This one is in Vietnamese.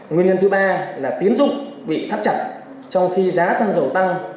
nguyên nhân thứ ba là tiến dụng bị thắt chặt trong khi giá xăng dầu tăng